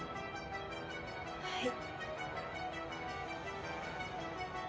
はい。